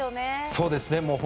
そうですね。